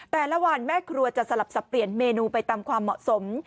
แต่ละวันแม่ครัวจะสลับสับเปลี่ยนเมนูไปตามความเหมาะสม